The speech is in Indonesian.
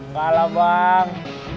gak lah bang